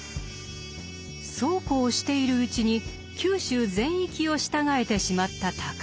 そうこうしているうちに九州全域を従えてしまった尊氏。